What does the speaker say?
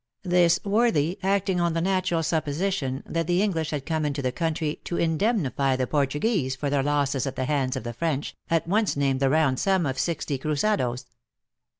This worthy, acting on the natural supposition that the English had come into the country to indemnify the Portu guese for their losses at the hands of the French, at once named the round sum of sixty crusados.